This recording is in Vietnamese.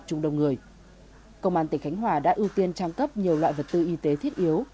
công an tỉnh khánh hòa đã ưu tiên trang cấp nhiều loại vật tư y tế thiết yếu